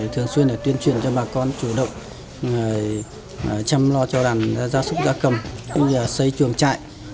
thường xuyên tuyên truyền cho bà con chủ động chăm lo cho đàn gia súc gia cầm xây chuồng trại